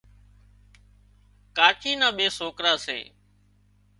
ڪاچي نا ٻي سوڪرا سي